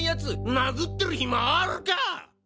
殴ってる暇あるか！